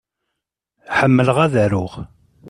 Ḥemmleɣ ad aruɣ.